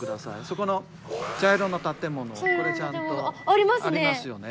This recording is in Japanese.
そこの茶色の建物これちゃんとありますよね。